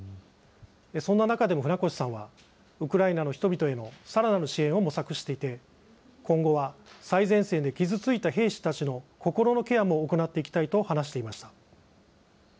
そんな中でも船越さんは、ウクライナの人々へのさらなる支援を模索していて、今後は最前線で傷ついた兵士たちの心のケアも行っていきたいと話していました。